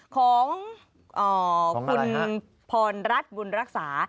ของคุณพรรัฐบุญรักษา